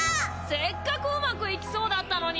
せっかくうまくいきそうだったのに！